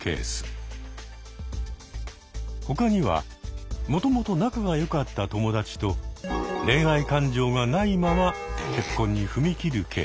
他にはもともと仲が良かった友達と恋愛感情がないまま結婚に踏み切るケース。